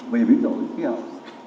về biến đổi khí hậu